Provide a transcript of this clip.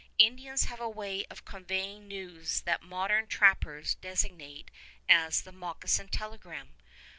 Indians have a way of conveying news that modern trappers designate as "the moccasin telegram."